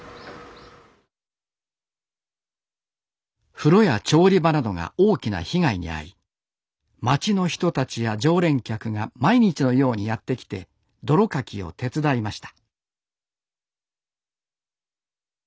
風呂や調理場などが大きな被害に遭い町の人たちや常連客が毎日のようにやって来て泥かきを手伝いました